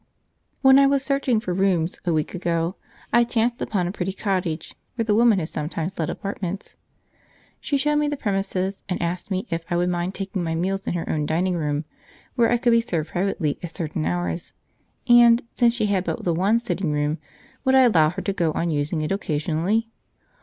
When I was searching for rooms a week ago, I chanced upon a pretty cottage where the woman had sometimes let apartments. She showed me the premises and asked me if I would mind taking my meals in her own dining room, where I could be served privately at certain hours: and, since she had but the one sitting room, would I allow her to go on using it occasionally?